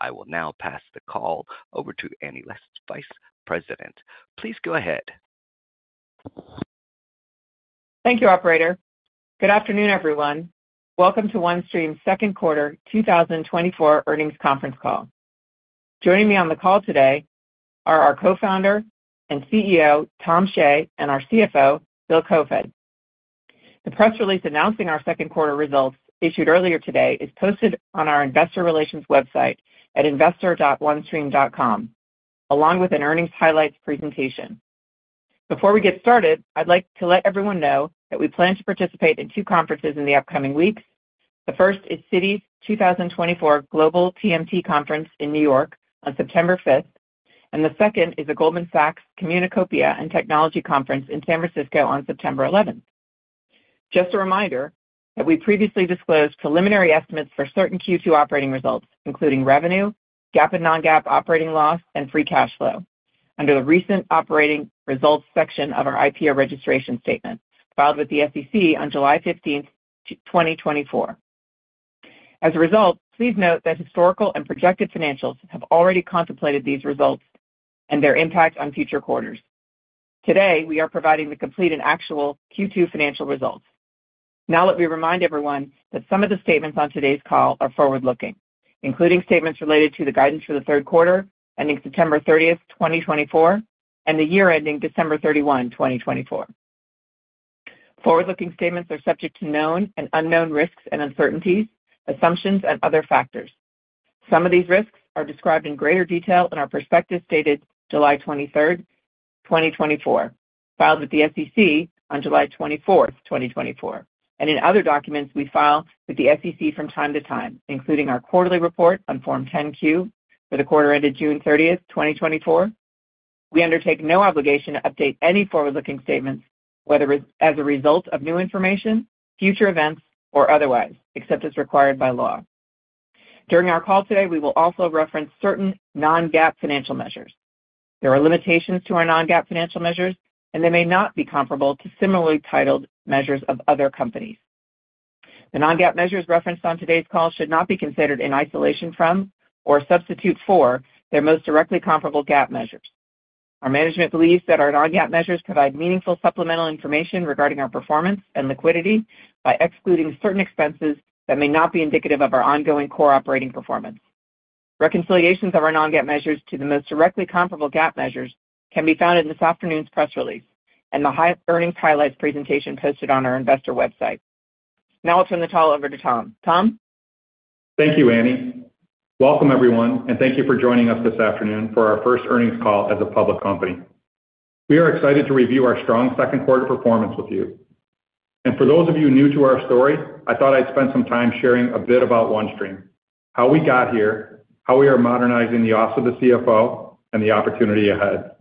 I will now pass the call over to Anne Leschin, Vice President. Please go ahead. Thank you, operator. Good afternoon, everyone. Welcome to OneStream's second quarter 2024 earnings conference call. Joining me on the call today are our co-founder and CEO, Tom Shea, and our CFO, Bill Koefoed. The press release announcing our second quarter results, issued earlier today, is posted on our investor relations website at investor.onestream.com, along with an earnings highlights presentation. Before we get started, I'd like to let everyone know that we plan to participate in two conferences in the upcoming weeks. The first is Citi's 2024 Global TMT Conference in New York on September 5th, and the second is the Goldman Sachs Communicopia and Technology Conference in San Francisco on September 11th. Just a reminder that we previously disclosed preliminary estimates for certain Q2 operating results, including revenue, GAAP and non-GAAP operating loss, and free cash flow, under the recent operating results section of our IPO registration statement, filed with the SEC on July 15th, 2024. As a result, please note that historical and projected financials have already contemplated these results and their impact on future quarters. Today, we are providing the complete and actual Q2 financial results. Now, let me remind everyone that some of the statements on today's call are forward-looking, including statements related to the guidance for the third quarter, ending September 30th, 2024, and the year ending December 31, 2024. Forward-looking statements are subject to known and unknown risks and uncertainties, assumptions, and other factors. Some of these risks are described in greater detail in our prospectus dated July twenty-third, 2024, filed with the SEC on July twenty-fourth, 2024, and in other documents we file with the SEC from time to time, including our quarterly report on Form 10-Q for the quarter ended June thirtieth, 2024. We undertake no obligation to update any forward-looking statements, whether as a result of new information, future events, or otherwise, except as required by law. During our call today, we will also reference certain non-GAAP financial measures. There are limitations to our non-GAAP financial measures, and they may not be comparable to similarly titled measures of other companies. The non-GAAP measures referenced on today's call should not be considered in isolation from or substitute for their most directly comparable GAAP measures. Our management believes that our Non-GAAP measures provide meaningful supplemental information regarding our performance and liquidity by excluding certain expenses that may not be indicative of our ongoing core operating performance. Reconciliations of our Non-GAAP measures to the most directly comparable GAAP measures can be found in this afternoon's press release and the earnings highlights presentation posted on our investor website. Now I'll turn the call over to Tom. Tom? Thank you, Anne. Welcome, everyone, and thank you for joining us this afternoon for our first earnings call as a public company. We are excited to review our strong second-quarter performance with you. And for those of you new to our story, I thought I'd spend some time sharing a bit about OneStream, how we got here, how we are modernizing the office of the CFO, and the opportunity ahead.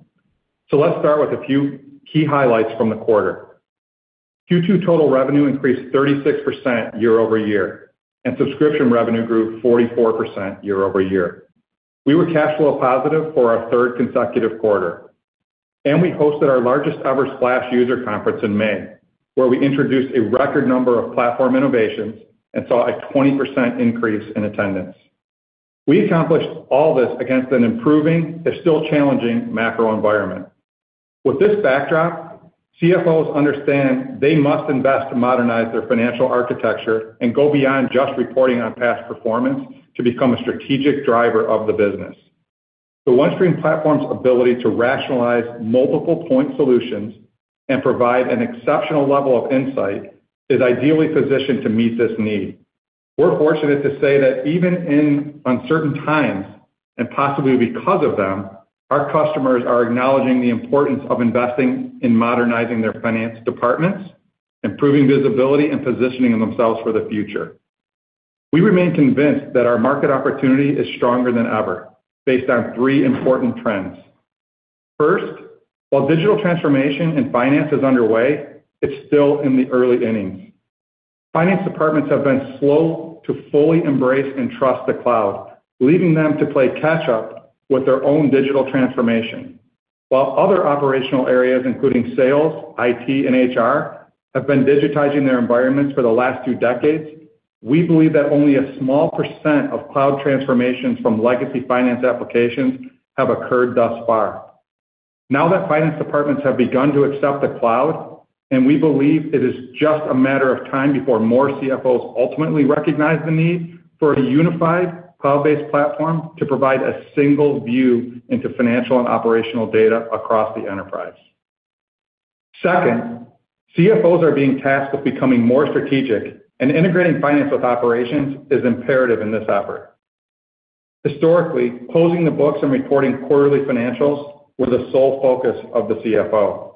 So let's start with a few key highlights from the quarter. Q2 total revenue increased 36% year-over-year, and subscription revenue grew 44% year-over-year. We were cash flow positive for our third consecutive quarter, and we hosted our largest-ever Splash user conference in May, where we introduced a record number of platform innovations and saw a 20% increase in attendance. We accomplished all this against an improving, but still challenging, macro environment. With this backdrop, CFOs understand they must invest to modernize their financial architecture and go beyond just reporting on past performance to become a strategic driver of the business. The OneStream platform's ability to rationalize multiple point solutions and provide an exceptional level of insight is ideally positioned to meet this need. We're fortunate to say that even in uncertain times, and possibly because of them, our customers are acknowledging the importance of investing in modernizing their finance departments, improving visibility, and positioning themselves for the future. We remain convinced that our market opportunity is stronger than ever, based on three important trends. First, while digital transformation and finance is underway, it's still in the early innings. Finance departments have been slow to fully embrace and trust the cloud, leaving them to play catch-up with their own digital transformation. While other operational areas, including sales, IT, and HR, have been digitizing their environments for the last two decades, we believe that only a small % of cloud transformations from legacy finance applications have occurred thus far. Now that finance departments have begun to accept the cloud, and we believe it is just a matter of time before more CFOs ultimately recognize the need for a unified cloud-based platform to provide a single view into financial and operational data across the enterprise. Second, CFOs are being tasked with becoming more strategic, and integrating finance with operations is imperative in this effort. Historically, closing the books and reporting quarterly financials were the sole focus of the CFO.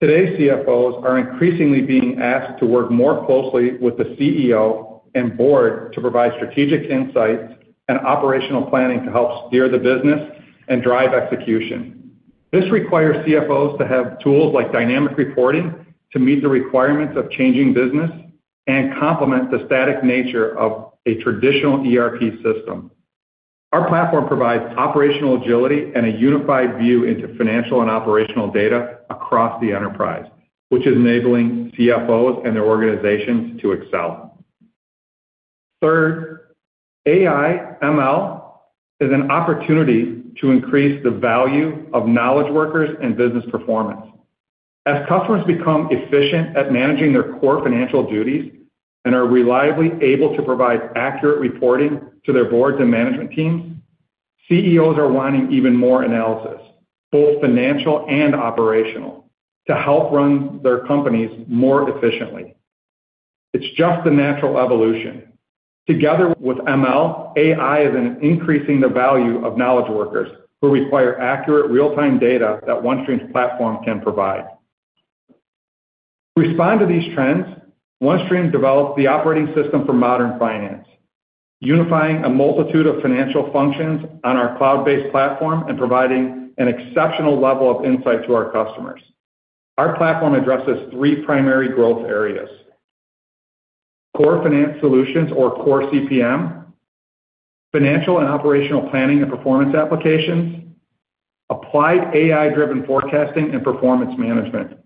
Today's CFOs are increasingly being asked to work more closely with the CEO and board to provide strategic insights and operational planning to help steer the business and drive execution. This requires CFOs to have tools like dynamic reporting to meet the requirements of changing business and complement the static nature of a traditional ERP system. Our platform provides operational agility and a unified view into financial and operational data across the enterprise, which is enabling CFOs and their organizations to excel. Third, AI/ML is an opportunity to increase the value of knowledge workers and business performance. As customers become efficient at managing their core financial duties and are reliably able to provide accurate reporting to their boards and management teams, CEOs are wanting even more analysis, both financial and operational, to help run their companies more efficiently. It's just a natural evolution. Together with ML, AI is increasing the value of knowledge workers, who require accurate, real-time data that OneStream's platform can provide. To respond to these trends, OneStream developed the operating system for modern finance, unifying a multitude of financial functions on our cloud-based platform and providing an exceptional level of insight to our customers. Our platform addresses three primary growth areas: core finance solutions or Core CPM, financial and operational planning and performance applications, and applied AI-driven forecasting and performance management.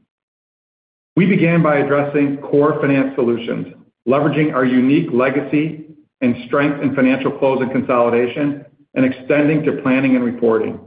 We began by addressing core finance solutions, leveraging our unique legacy and strength in financial close and consolidation, and extending to planning and reporting.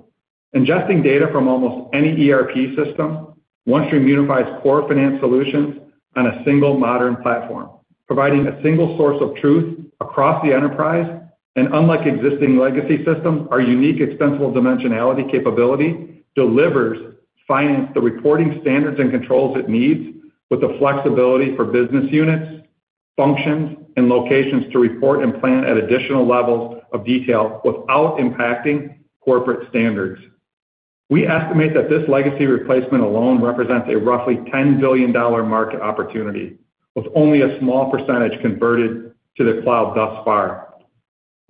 Ingesting data from almost any ERP system, OneStream unifies core finance solutions on a single modern platform, providing a single source of truth across the enterprise. And unlike existing legacy systems, our unique Extensible Dimensionality capability delivers finance the reporting standards and controls it needs, with the flexibility for business units, functions, and locations to report and plan at additional levels of detail without impacting corporate standards. We estimate that this legacy replacement alone represents a roughly $10 billion market opportunity, with only a small percentage converted to the cloud thus far.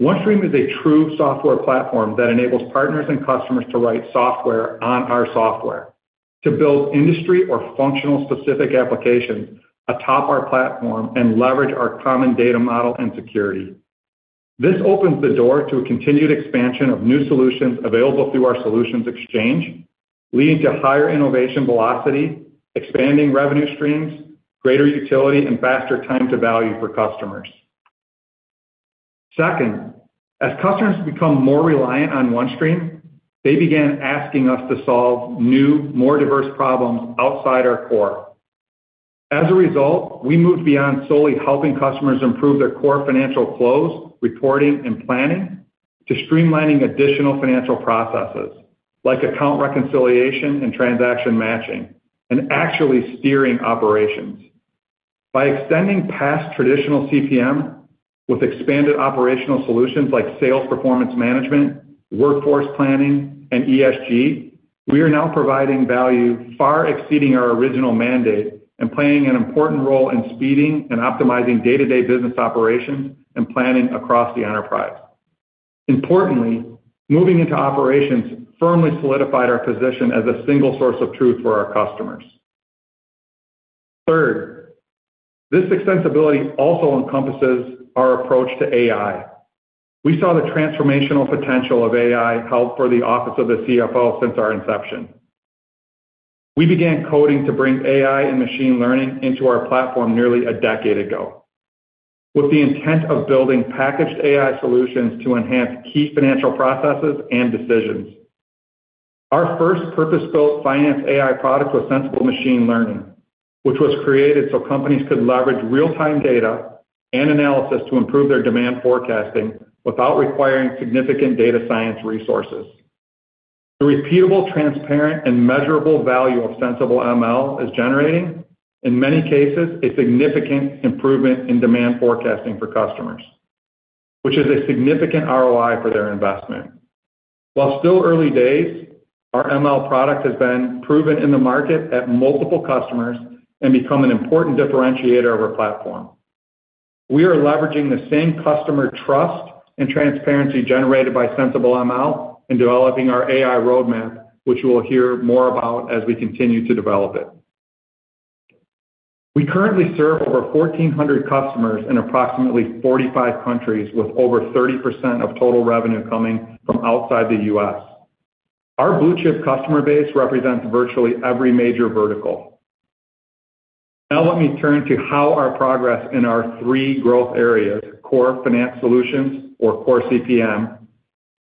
OneStream is a true software platform that enables partners and customers to write software on our software, to build industry or function-specific applications atop our platform, and leverage our common data model and security. This opens the door to a continued expansion of new solutions available through our Solution Exchange, leading to higher innovation velocity, expanding revenue streams, greater utility, and faster time to value for customers. Second, as customers become more reliant on OneStream, they begin asking us to solve new, more diverse problems outside our core. As a result, we moved beyond solely helping customers improve their core financial close, reporting, and planning to streamlining additional financial processes, like account reconciliation and transaction matching, and actually steering operations. By extending past traditional CPM with expanded operational solutions like sales performance management, workforce planning, and ESG, we are now providing value far exceeding our original mandate and playing an important role in speeding and optimizing day-to-day business operations and planning across the enterprise. Importantly, moving into operations firmly solidified our position as a single source of truth for our customers. Third, this extensibility also encompasses our approach to AI. We saw the transformational potential of AI help for the office of the CFO since our inception. We began coding to bring AI and machine learning into our platform nearly a decade ago, with the intent of building packaged AI solutions to enhance key financial processes and decisions. Our first purpose-built finance AI product was Sensible Machine Learning, which was created so companies could leverage real-time data and analysis to improve their demand forecasting without requiring significant data science resources. The repeatable, transparent, and measurable value of Sensible ML is generating, in many cases, a significant improvement in demand forecasting for customers, which is a significant ROI for their investment. While still early days, our ML product has been proven in the market at multiple customers and become an important differentiator of our platform. We are leveraging the same customer trust and transparency generated by Sensible ML in developing our AI roadmap, which you will hear more about as we continue to develop it. We currently serve over 1400 customers in approximately 45 ,countries, with over 30% of total revenue coming from outside the U.S. Our blue-chip customer base represents virtually every major vertical. Now let me turn to how our progress in our three growth areas, core finance solutions, or core CPM,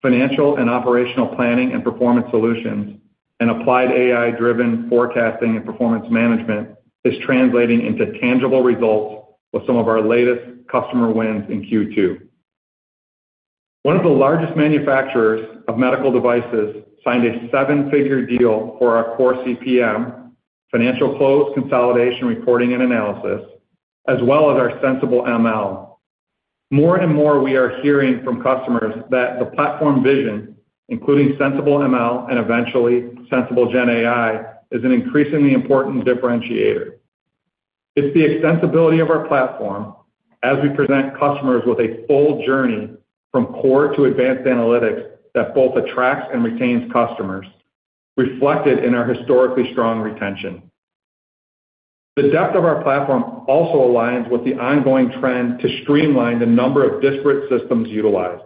financial and operational planning and performance solutions, and applied AI-driven forecasting and performance management, is translating into tangible results with some of our latest customer wins in Q2. One of the largest manufacturers of medical devices signed a seven-figure deal for our core CPM, financial close, consolidation, reporting, and analysis, as well as our Sensible ML. More and more, we are hearing from customers that the platform vision, including Sensible ML and eventually Sensible GenAI, is an increasingly important differentiator. It's the extensibility of our platform as we present customers with a full journey from core to advanced analytics that both attracts and retains customers, reflected in our historically strong retention. The depth of our platform also aligns with the ongoing trend to streamline the number of disparate systems utilized.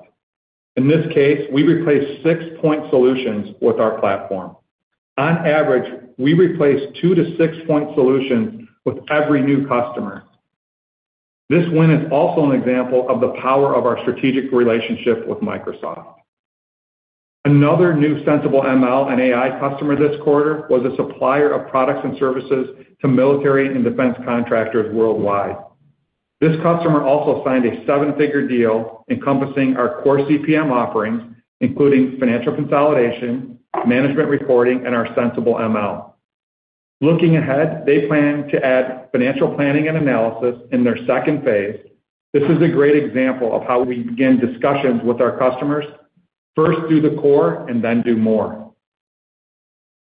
In this case, we replaced six point solutions with our platform. On average, we replace two to six point solutions with every new customer. This win is also an example of the power of our strategic relationship with Microsoft. Another new Sensible ML and AI customer this quarter was a supplier of products and services to military and defense contractors worldwide. This customer also signed a seven-figure deal encompassing our core CPM offerings, including financial consolidation, management reporting, and our Sensible ML. Looking ahead, they plan to add financial planning and analysis in their second phase. This is a great example of how we begin discussions with our customers, first do the core, and then do more.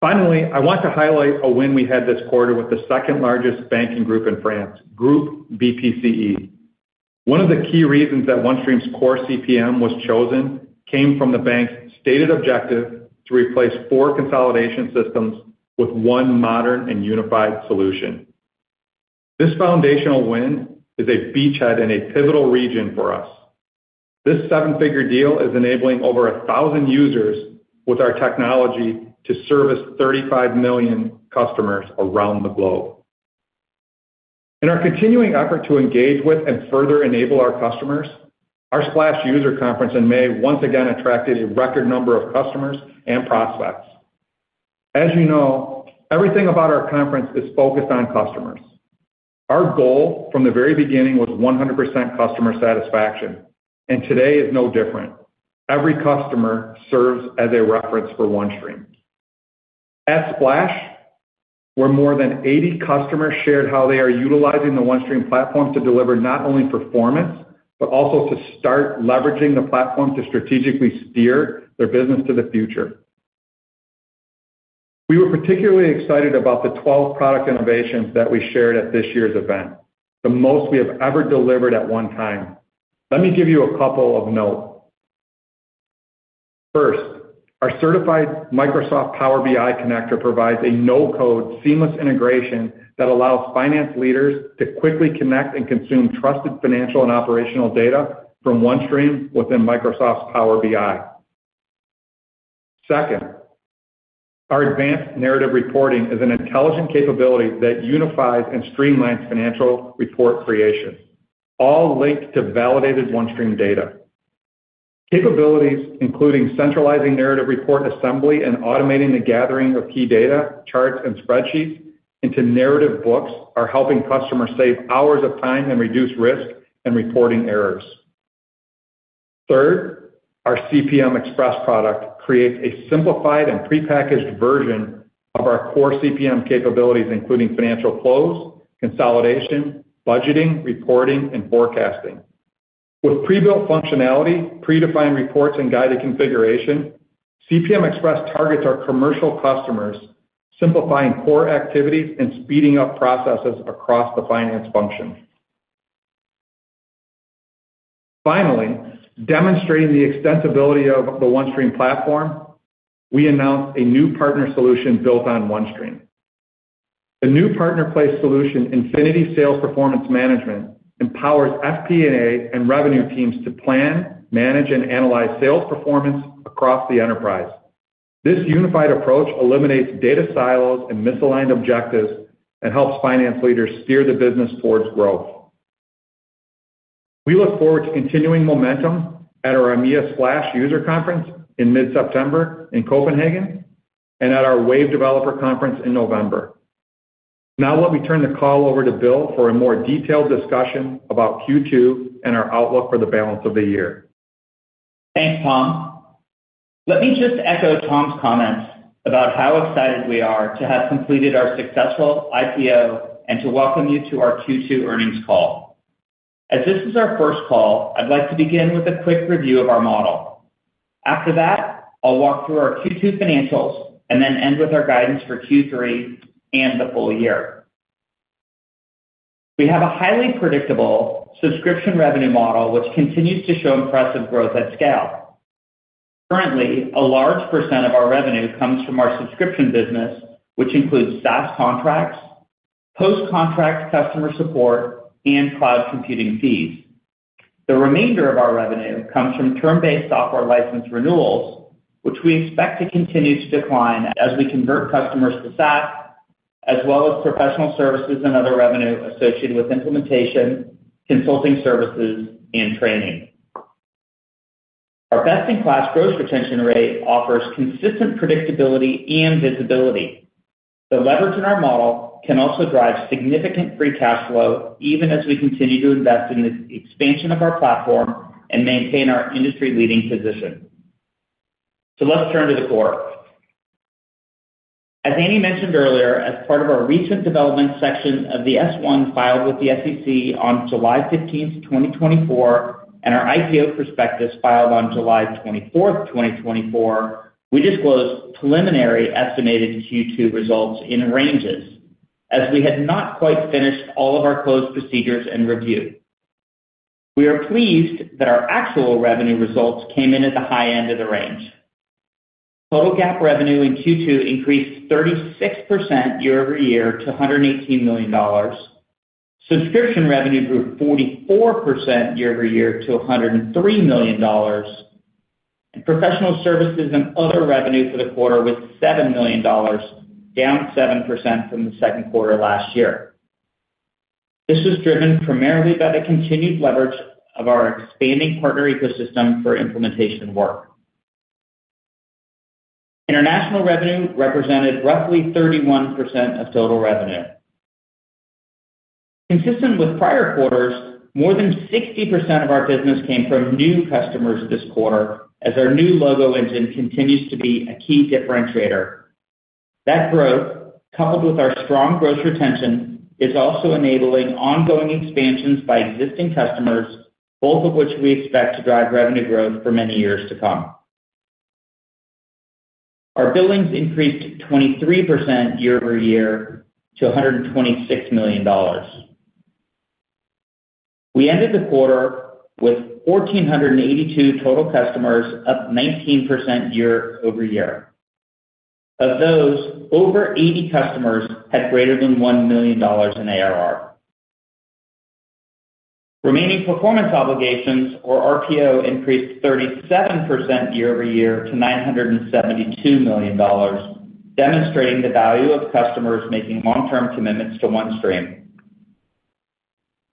Finally, I want to highlight a win we had this quarter with the second-largest banking group in France, Groupe BPCE. One of the key reasons that OneStream's core CPM was chosen came from the bank's stated objective to replace four consolidation systems with one modern and unified solution. This foundational win is a beachhead in a pivotal region for us. This seven-figure deal is enabling over a thousand users with our technology to service 35 million customers around the globe. In our continuing effort to engage with and further enable our customers, our Splash user conference in May once again attracted a record number of customers and prospects. As you know, everything about our conference is focused on customers. Our goal from the very beginning was 100% customer satisfaction, and today is no different. Every customer serves as a reference for OneStream. At Splash, where more than 80 customers shared how they are utilizing the OneStream platform to deliver not only performance, but also to start leveraging the platform to strategically steer their business to the future. We were particularly excited about the 12 product innovations that we shared at this year's event, the most we have ever delivered at 1 time. Let me give you a couple of notes. First, our certified Microsoft Power BI Connector provides a no-code, seamless integration that allows finance leaders to quickly connect and consume trusted financial and operational data from OneStream within Microsoft's Power BI. Second, our advanced narrative reporting is an intelligent capability that unifies and streamlines financial report creation, all linked to validated OneStream data. Capabilities, including centralizing narrative report assembly and automating the gathering of key data, charts, and spreadsheets into narrative books, are helping customers save hours of time and reduce risk and reporting errors. Third, our CPM Express product creates a simplified and prepackaged version of our core CPM capabilities, including financial close, consolidation, budgeting, reporting, and forecasting. With pre-built functionality, predefined reports, and guided configuration, CPM Express targets our commercial customers, simplifying core activities and speeding up processes across the finance function. Finally, demonstrating the extensibility of the OneStream platform, we announced a new partner solution built on OneStream. The new PartnerPlace solution, Infinity Sales Performance Management, empowers FP&A and revenue teams to plan, manage, and analyze sales performance across the enterprise. This unified approach eliminates data silos and misaligned objectives and helps finance leaders steer the business towards growth. We look forward to continuing the momentum at our EMEA Splash User Conference in mid-September in Copenhagen and at our Wave Developer Conference in November. Now, let me turn the call over to Bill for a more detailed discussion about Q2 and our outlook for the balance of the year. Thanks, Tom. Let me just echo Tom's comments about how excited we are to have completed our successful IPO and to welcome you to our Q2 earnings call. As this is our first call, I'd like to begin with a quick review of our model. After that, I'll walk through our Q2 financials and then end with our guidance for Q3 and the full year. We have a highly predictable subscription revenue model, which continues to show impressive growth at scale. Currently, a large percent of our revenue comes from our subscription business, which includes SaaS contracts, post-contract customer support, and cloud computing fees. The remainder of our revenue comes from term-based software license renewals, which we expect to continue to decline as we convert customers to SaaS, as well as professional services and other revenue associated with implementation, consulting services, and training. Our best-in-class gross retention rate offers consistent predictability and visibility. The leverage in our model can also drive significant free cash flow, even as we continue to invest in the expansion of our platform and maintain our industry-leading position. So let's turn to the core. As Anne mentioned earlier, as part of our recent development section of the S-1 filed with the SEC on July 15th, 2024, and our IPO prospectus filed on July 24th, 2024, we disclosed preliminary estimated Q2 results in ranges, as we had not quite finished all of our close procedures and review. We are pleased that our actual revenue results came in at the high end of the range. Total GAAP revenue in Q2 increased 36% year-over-year to $118 million. Subscription revenue grew 44% year-over-year to $103 million, and professional services and other revenue for the quarter were $7 million, down 7% from the second quarter last year. This was driven primarily by the continued leverage of our expanding partner ecosystem for implementation work. International revenue represented roughly 31% of total revenue. Consistent with prior quarters, more than 60% of our business came from new customers this quarter, as our new logo engine continues to be a key differentiator. That growth, coupled with our strong growth retention, is also enabling ongoing expansions by existing customers, both of which we expect to drive revenue growth for many years to come. Our billings increased 23% year-over-year to $126 million. We ended the quarter with 1,482 total customers, up 19% year-over-year. Of those, over 80 customers had greater than $1 million in ARR. Remaining performance obligations, or RPO, increased 37% year-over-year to $972 million, demonstrating the value of customers making long-term commitments to OneStream.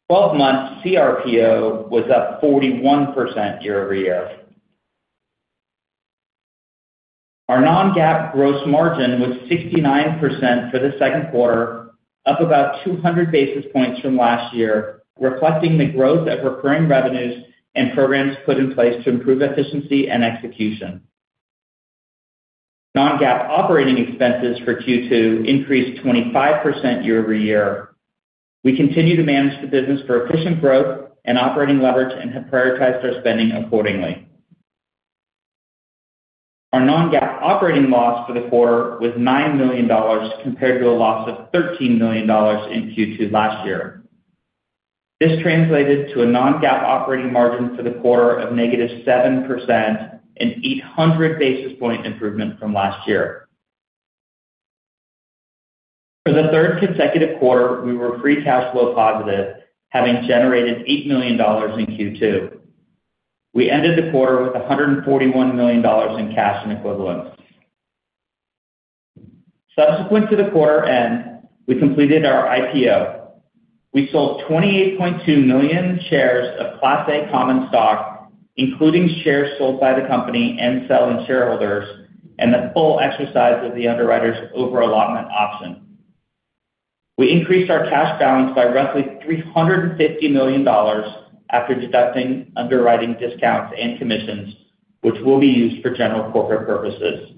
12 months CRPO was up 41% year-over-year. Our non-GAAP gross margin was 69% for the second quarter, up about 200 basis points from last year, reflecting the growth of recurring revenues and programs put in place to improve efficiency and execution. Non-GAAP operating expenses for Q2 increased 25% year-over-year. We continue to manage the business for efficient growth and operating leverage and have prioritized our spending accordingly. Our non-GAAP operating loss for the quarter was $9 million, compared to a loss of $13 million in Q2 last year. This translated to a non-GAAP operating margin for the quarter of negative 7%, an 800 basis point improvement from last year. For the third consecutive quarter, we were free cash flow positive, having generated $8 million in Q2. We ended the quarter with $141 million in cash and equivalents. Subsequent to the quarter end, we completed our IPO. We sold 28.2 million shares of Class A common stock, including shares sold by the company and selling shareholders, and the full exercise of the underwriter's overallotment option. We increased our cash balance by roughly $350 million after deducting underwriting discounts and commissions, which will be used for general corporate purposes.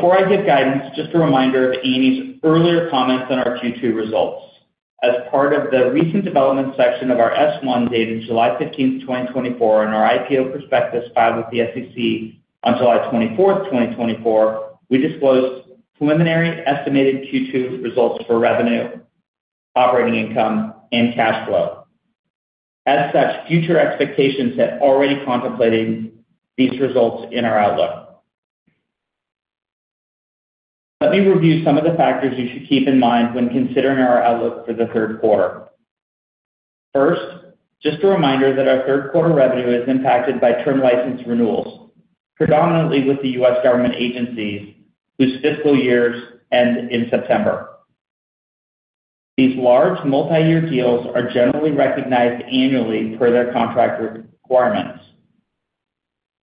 Before I give guidance, just a reminder of Amy's earlier comments on our Q2 results. As part of the recent development section of our S-1, dated July 15th, 2024, and our IPO prospectus filed with the SEC on July 24th, 2024, we disclosed preliminary estimated Q2 results for revenue, operating income, and cash flow. As such, future expectations have already contemplated these results in our outlook. Let me review some of the factors you should keep in mind when considering our outlook for the third quarter. First, just a reminder that our third quarter revenue is impacted by term license renewals, predominantly with the U.S. government agencies whose fiscal years end in September. These large multiyear deals are generally recognized annually per their contract requirements.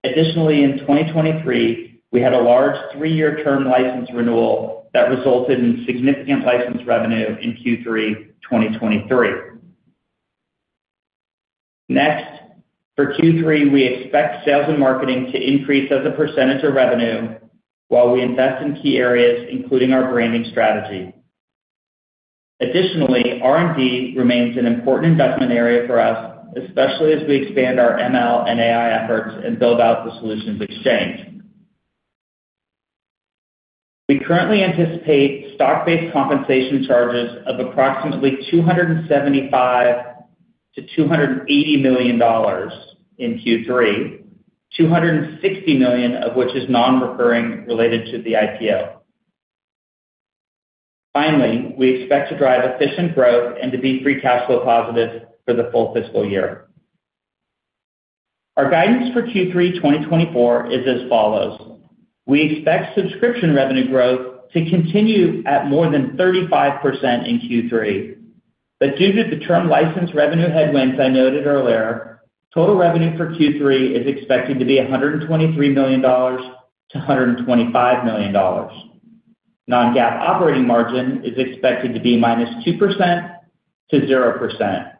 Additionally, in 2023, we had a large three-year term license renewal that resulted in significant license revenue in Q3 2023. Next, for Q3, we expect sales and marketing to increase as a percentage of revenue while we invest in key areas, including our branding strategy. Additionally, R&D remains an important investment area for us, especially as we expand our ML and AI efforts and build out the Solution Exchange. We currently anticipate stock-based compensation charges of approximately $275 million-$280 million in Q3, $260 million of which is non-recurring, related to the IPO. Finally, we expect to drive efficient growth and to be free cash flow positive for the full fiscal year. Our guidance for Q3 2024 is as follows: We expect subscription revenue growth to continue at more than 35% in Q3, but due to the term license revenue headwinds I noted earlier, total revenue for Q3 is expected to be $123 million-$125 million. Non-GAAP operating margin is expected to be -2% to 0%.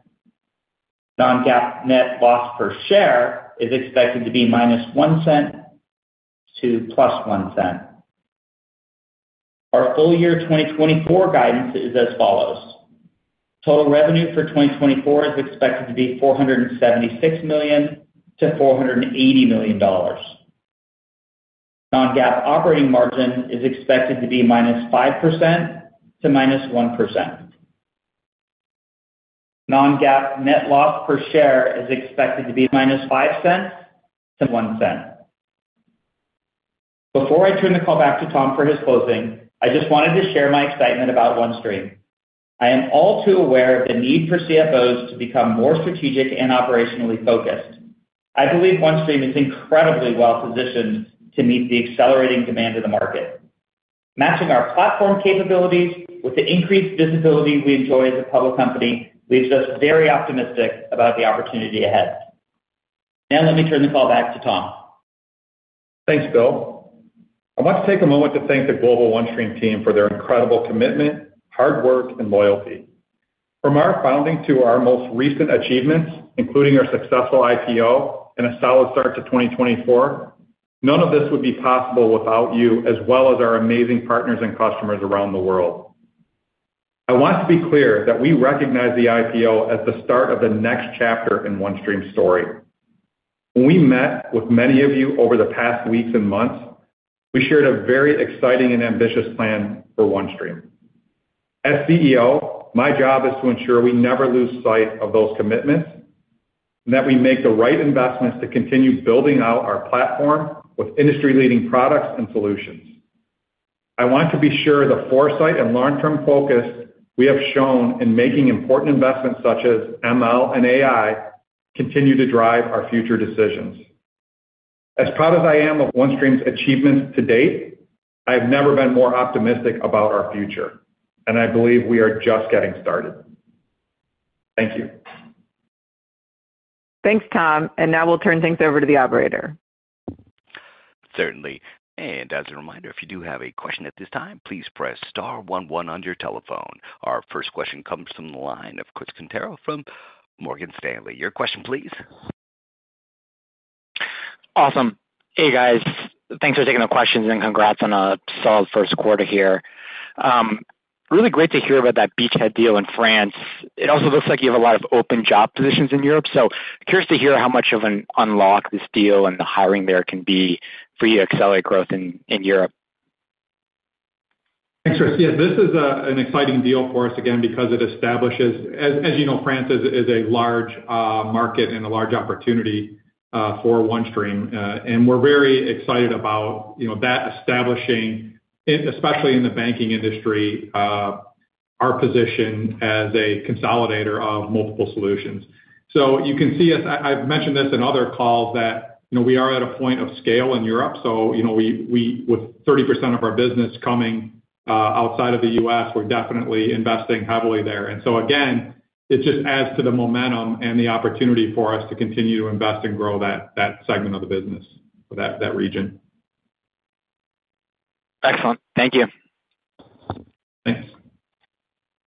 Non-GAAP net loss per share is expected to be -$0.01 to +$0.01. Our full year 2024 guidance is as follows: Total revenue for 2024 is expected to be $476 million-$480 million. Non-GAAP operating margin is expected to be -5% to -1%. Non-GAAP net loss per share is expected to be -$0.05 to $0.01. Before I turn the call back to Tom for his closing, I just wanted to share my excitement about OneStream. I am all too aware of the need for CFOs to become more strategic and operationally focused. I believe OneStream is incredibly well-positioned to meet the accelerating demand of the market. Matching our platform capabilities with the increased visibility we enjoy as a public company leaves us very optimistic about the opportunity ahead. Now, let me turn the call back to Tom. Thanks, Bill. I'd like to take a moment to thank the global OneStream team for their incredible commitment, hard work, and loyalty. From our founding to our most recent achievements, including our successful IPO and a solid start to 2024, none of this would be possible without you, as well as our amazing partners and customers around the world. I want to be clear that we recognize the IPO as the start of the next chapter in OneStream's story. When we met with many of you over the past weeks and months, we shared a very exciting and ambitious plan for OneStream. As CEO, my job is to ensure we never lose sight of those commitments and that we make the right investments to continue building out our platform with industry-leading products and solutions. I want to be sure the foresight and long-term focus we have shown in making important investments, such as ML and AI, continue to drive our future decisions. As proud as I am of OneStream's achievements to date, I have never been more optimistic about our future, and I believe we are just getting started. Thank you. Thanks, Tom, and now we'll turn things over to the operator. Certainly. And as a reminder, if you do have a question at this time, please press star one one on your telephone. Our first question comes from the line of Chris Quintero from Morgan Stanley. Your question, please. Awesome. Hey, guys. Thanks for taking the questions, and congrats on a solid first quarter here. Really great to hear about that beachhead deal in France. It also looks like you have a lot of open job positions in Europe, so curious to hear how much of an unlock this deal and the hiring there can be for you to accelerate growth in Europe. Thanks, Chris. Yeah, this is an exciting deal for us, again, because it establishes, as you know, France is a large market and a large opportunity for OneStream. And we're very excited about, you know, that establishing in especially in the banking industry our position as a consolidator of multiple solutions. So you can see, as I've mentioned this in other calls, that, you know, we are at a point of scale in Europe, so, you know, with 30% of our business coming outside of the U.S., we're definitely investing heavily there. And so again, it just adds to the momentum and the opportunity for us to continue to invest and grow that segment of the business for that region. Excellent. Thank you. Thanks.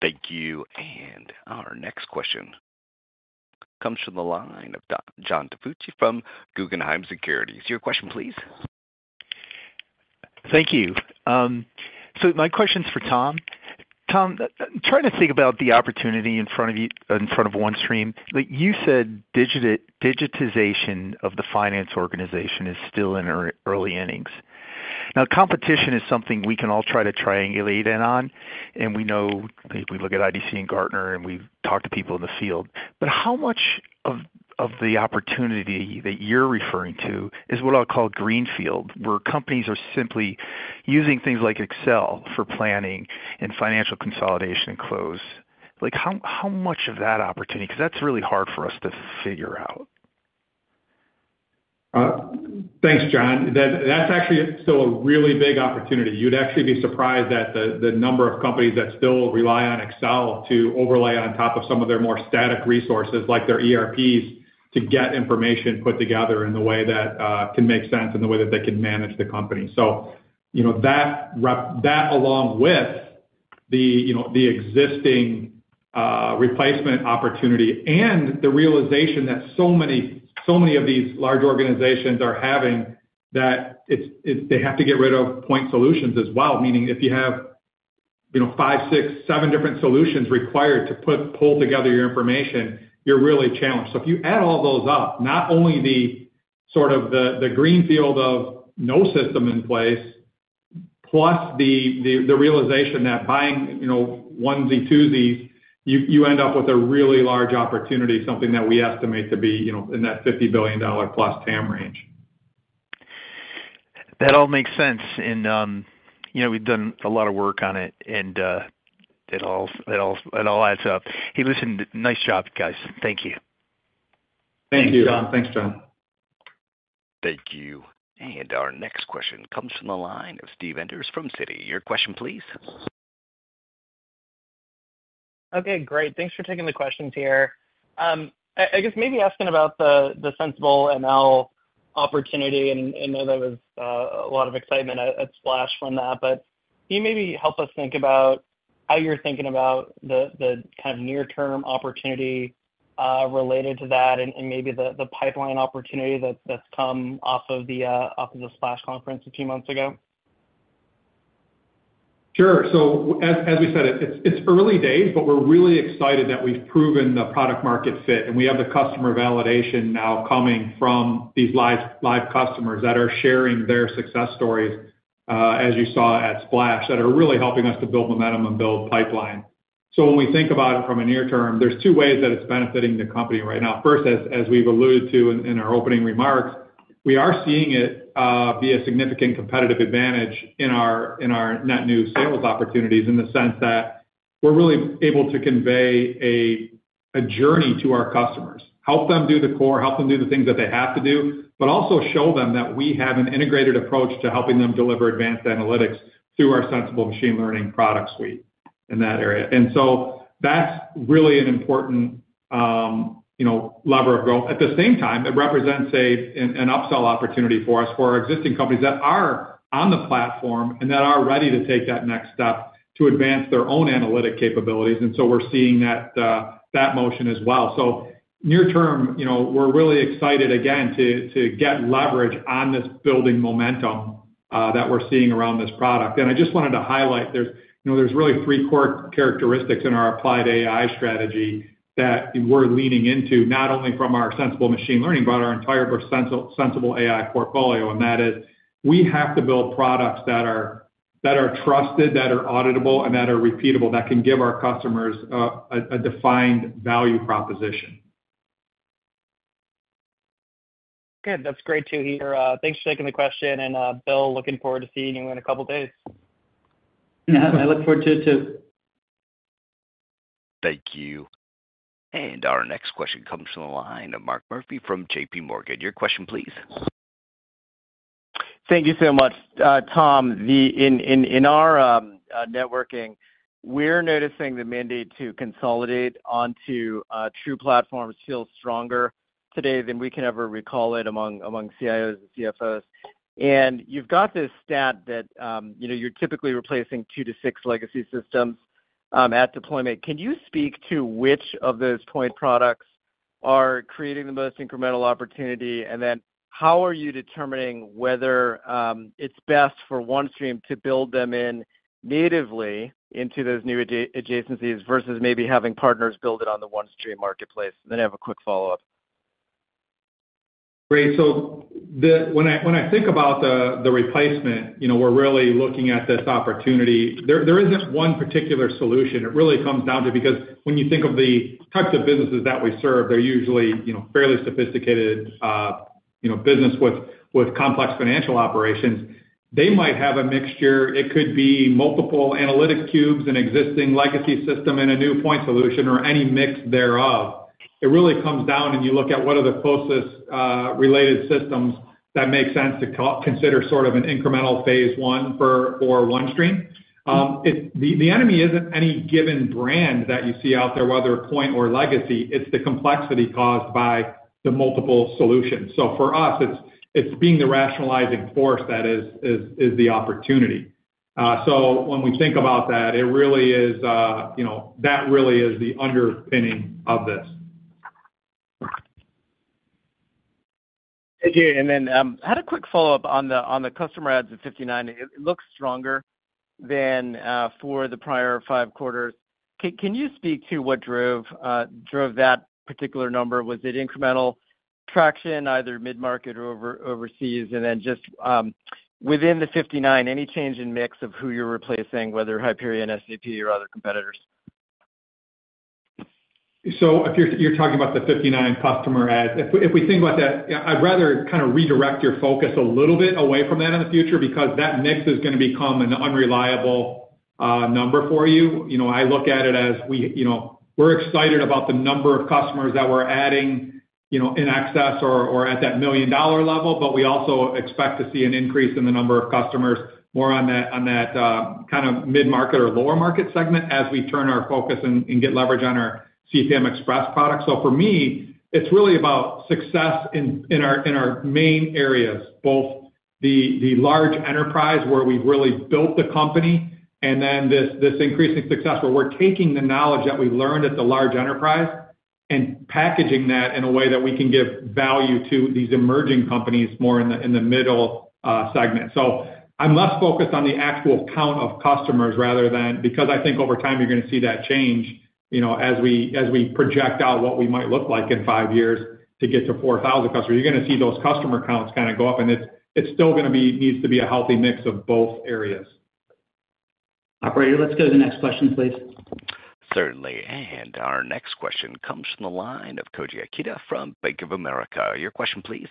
Thank you. And our next question comes from the line of John DiFucci from Guggenheim Securities. Your question, please. Thank you. So my question's for Tom. Tom, trying to think about the opportunity in front of you in front of OneStream. Like you said, digitization of the finance organization is still in early innings. Now, competition is something we can all try to triangulate in on, and we know, if we look at IDC and Gartner, and we've talked to people in the field. But how much of, of the opportunity that you're referring to is what I'll call greenfield, where companies are simply using things like Excel for planning and financial consolidation and close? Like, how, how much of that opportunity? 'Cause that's really hard for us to figure out. Thanks, John. That, that's actually still a really big opportunity. You'd actually be surprised at the number of companies that still rely on Excel to overlay on top of some of their more static resources, like their ERPs, to get information put together in the way that can make sense and the way that they can manage the company. So, you know, that along with the, you know, the existing replacement opportunity and the realization that so many of these large organizations are having, that it's they have to get rid of point solutions as well. Meaning, if you have, you know, five, six, seven different solutions required to pull together your information, you're really challenged. If you add all those up, not only the sort of the greenfield of no system in place, plus the realization that buying, you know, onesie-twosie, you end up with a really large opportunity, something that we estimate to be, you know, in that $50 billion-plus TAM range. That all makes sense. You know, we've done a lot of work on it, and it all adds up. Hey, listen, nice job, guys. Thank you. Thanks John. Thanks, John. Thank you. And our next question comes from the line of Steve Enders from Citi. Your question, please. Okay, great. Thanks for taking the questions here. I guess maybe asking about the Sensible ML opportunity, and I know there was a lot of excitement at Splash from that. But can you maybe help us think about how you're thinking about the kind of near-term opportunity related to that and maybe the pipeline opportunity that's come off of the Splash conference a few months ago? Sure. So as we said, it's early days, but we're really excited that we've proven the product market fit, and we have the customer validation now coming from these live customers that are sharing their success stories, as you saw at Splash, that are really helping us to build momentum and build pipeline. So when we think about it from a near term, there's two ways that it's benefiting the company right now. First, as we've alluded to in our opening remarks, we are seeing it be a significant competitive advantage in our net new sales opportunities, in the sense that we're really able to convey a journey to our customers, help them do the core, help them do the things that they have to do, but also show them that we have an integrated approach to helping them deliver advanced analytics through our Sensible Machine Learning product suite in that area. And so that's really an important, you know, lever of growth. At the same time, it represents an upsell opportunity for us, for our existing companies that are on the platform and that are ready to take that next step to advance their own analytic capabilities, and so we're seeing that motion as well. So near term, you know, we're really excited again, to get leverage on this building momentum that we're seeing around this product. And I just wanted to highlight, there's, you know, really three core characteristics in our applied AI strategy that we're leaning into, not only from our Sensible Machine Learning, but our entire Sensible AI portfolio. And that is, we have to build products that are, that are trusted, that are auditable, and that are repeatable, that can give our customers a defined value proposition. Good. That's great to hear. Thanks for taking the question, and, Bill, looking forward to seeing you in a couple of days. Yeah, I look forward to it, too. Thank you. And our next question comes from the line of Mark Murphy from JPMorgan. Your question, please. Thank you so much. Tom, in our networking, we're noticing the mandate to consolidate onto true platforms feels stronger today than we can ever recall it among CIOs and CFOs. And you've got this stat that, you know, you're typically replacing two to six legacy systems at deployment. Can you speak to which of those point products are creating the most incremental opportunity? And then how are you determining whether it's best for OneStream to build them in natively into those new adjacencies, versus maybe having partners build it on the OneStream marketplace? Then I have a quick follow-up. Great. So when I think about the replacement, you know, we're really looking at this opportunity. There isn't one particular solution. It really comes down to because when you think of the types of businesses that we serve, they're usually, you know, fairly sophisticated business with complex financial operations. They might have a mixture. It could be multiple analytic cubes, an existing legacy system, and a new point solution, or any mix thereof. It really comes down, and you look at what are the closest related systems that make sense to consider, sort of an incremental phase one for OneStream. The enemy isn't any given brand that you see out there, whether a point or legacy; it's the complexity caused by the multiple solutions. So for us, it's being the rationalizing force that is the opportunity. So when we think about that, it really is, you know, that really is the underpinning of this. Thank you. And then I had a quick follow-up on the customer adds of 59. It looks stronger than for the prior five quarters. Can you speak to what drove that particular number? Was it incremental traction, either mid-market or overseas? And then just within the 59, any change in the mix of who you're replacing, whether Hyperion, SAP or other competitors? So if you're talking about the 59 customer adds, if we think about that, yeah, I'd rather kind of redirect your focus a little bit away from that in the future, because that mix is gonna become an unreliable number for you. You know, I look at it as we, you know, we're excited about the number of customers that we're adding, you know, in excess or at that million-dollar level, but we also expect to see an increase in the number of customers more on that kind of mid-market or lower market segment, as we turn our focus and get leverage on our CPM Express product. So for me, it's really about success in our main areas, both the large enterprise where we've really built the company, and then this increasing success, where we're taking the knowledge that we learned at the large enterprise and packaging that in a way that we can give value to these emerging companies more in the middle segment. So I'm less focused on the actual count of customers rather than. Because I think over time, you're gonna see that change, you know, as we project out what we might look like in five years to get to 4,000 customers. You're gonna see those customer counts kind of go up, and it's still gonna be needs to be a healthy mix of both areas. Operator, let's go to the next question, please. Certainly. And our next question comes from the line of Koji Ikeda from Bank of America. Your question please.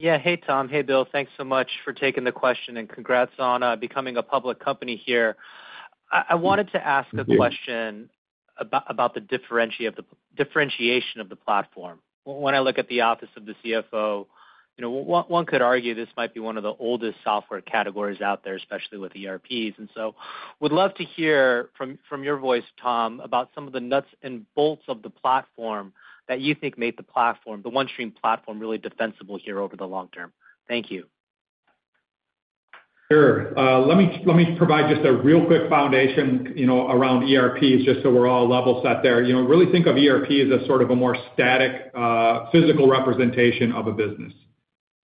Yeah. Hey, Tom. Hey, Bill. Thanks so much for taking the question, and congrats on becoming a public company here. I wanted to ask a question about the differentiation of the platform. When I look at the office of the CFO, you know, one could argue this might be one of the oldest software categories out there, especially with ERPs. And so would love to hear from your voice, Tom, about some of the nuts and bolts of the platform that you think made the platform, the OneStream platform, really defensible here over the long term. Thank you. Sure. Let me provide just a real quick foundation, you know, around ERPs, just so we're all level set there. You know, really think of ERP as a sort of a more static physical representation of a business.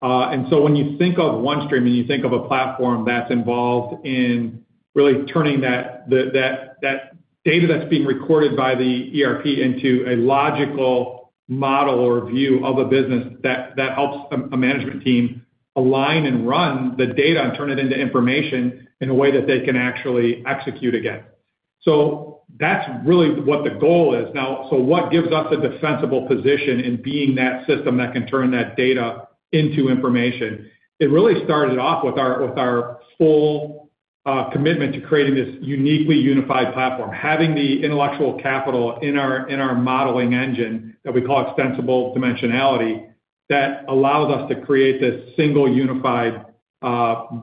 And so when you think of OneStream, and you think of a platform that's involved in really turning that data that's being recorded by the ERP into a logical model or view of a business that helps a management team align and run the data and turn it into information in a way that they can actually execute again. So that's really what the goal is. Now, so what gives us a defensible position in being that system that can turn that data into information? It really started off with our full commitment to creating this uniquely unified platform, having the intellectual capital in our modeling engine, that we call extensible dimensionality, that allows us to create this single, unified